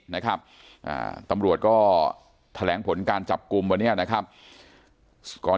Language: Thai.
นะครับตำรวจก็แถลงผลการจับกลุ่มวันนี้นะครับก่อน